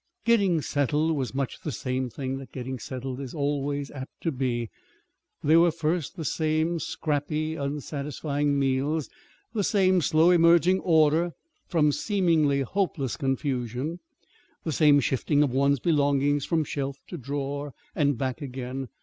Getting settled was much the same thing that getting settled is always apt to be. There were the same first scrappy, unsatisfying meals, the same slow emerging order from seemingly hopeless confusion, the same shifting of one's belongings from shelf to drawer and back again.